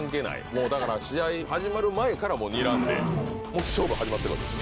もう、だから、試合始まる前から、もうにらんで、もう勝負は始まってるわけですね。